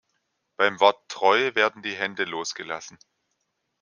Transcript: Beim Wort „Treu“ werden die Hände losgelassen.